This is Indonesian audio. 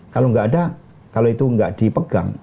kalau nggak ada kalau itu nggak dipegang